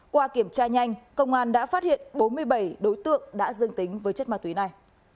qua kiểm tra nhanh công an đã phát hiện bốn mươi bảy đối tượng đã dương tính với chất ma túy này